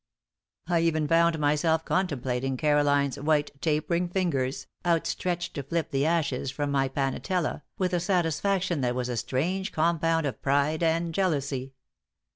I even found myself contemplating Caroline's white, tapering fingers, outstretched to flip the ashes from my panatella, with a satisfaction that was a strange compound of pride and jealousy.